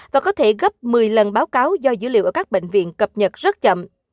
và có thể gấp một mươi lần báo cáo do dữ liệu ở các bệnh viện cập nhật rất chậm